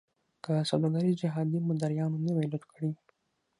که سوداګري جهادي مداریانو نه وی لوټ کړې.